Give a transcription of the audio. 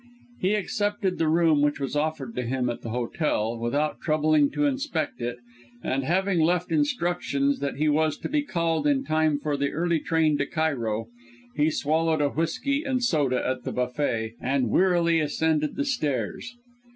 He accepted the room which was offered to him at the hotel, without troubling to inspect it, and having left instructions that he was to be called in time for the early train to Cairo, he swallowed a whisky and soda at the buffet, and wearily ascended the stairs.